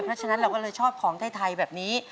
เพราะฉะนั้นเราก็เลยชอบของไทยแบบนี้